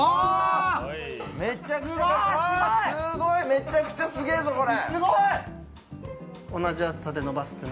めちゃくちゃすげーぞ、これ！